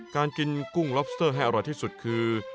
การกินกุ้งล็อบสเตอร์ให้อร่อยที่สุดคือ